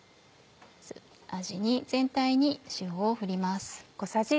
あじに全体に塩を振ります。